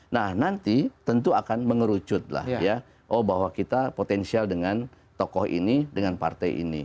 nah nanti tentu akan mengerucut lah ya oh bahwa kita potensial dengan tokoh ini dengan partai ini